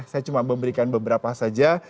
saya cuma memberikan beberapa saja